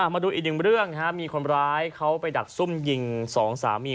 มาดูอีกหนึ่งเรื่องมีคนร้ายเขาไปดักซุ่มยิงสองสามี